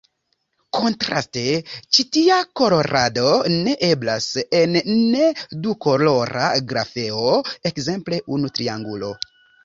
Kontraste, ĉi tia kolorado ne eblas en ne-dukolora grafeo, ekzemple unu triangulo.